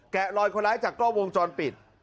ลอยคนร้ายจากกล้องวงจรปิด